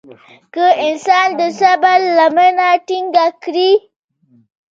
که انسان د صبر لمنه ټينګه کړي.